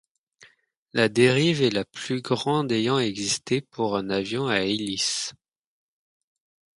La dérive est la plus grande ayant existé pour un avion à hélices.